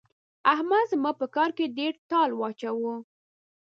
احمد زما په کار کې ډېر ټال واچاوو.